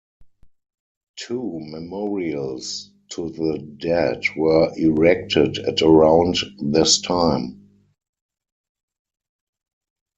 Two memorials to the dead were erected at around this time.